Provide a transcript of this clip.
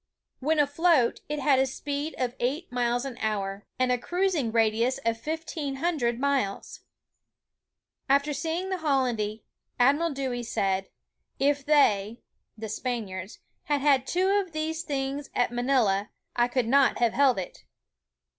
When afloat it had a speed of eight miles an hour, and a cruising radius of 1500 miles. After seeing the Holland y Admiral Dewey said, "If they (the Spaniards) had had two of these things at Manila, I could not have held it."